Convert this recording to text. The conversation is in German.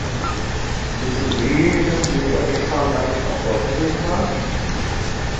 Müssen diejenigen, die sie erwischt haben, dann nicht auch dort gewesen sein?